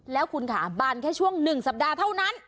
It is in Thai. แล้วคุณค่ะบานแค่ช่วง๑สัปดาห์เท่านั้น